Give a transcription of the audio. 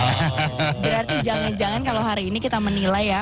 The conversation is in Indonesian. berarti jangan jangan kalau hari ini kita menilai ya